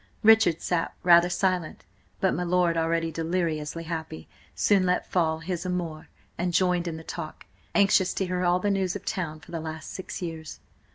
Richard sat rather silent, but my lord, already deliriously happy, soon let fall his armour and joined in the talk, anxious to hear all the news of town for the last six years.